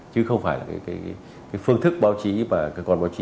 chứ không phải là cái phương thức báo chí và cơ quan báo chí